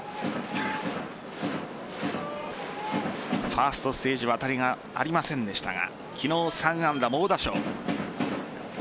ファーストステージは当たりがありませんでしたが昨日、３安打猛打賞。